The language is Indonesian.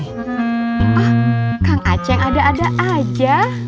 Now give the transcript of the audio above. ah kang aceh ada ada aja